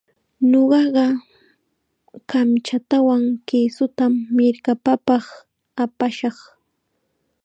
Ñuqaqa kamchatawan kisutam mirkapapaq apashaq.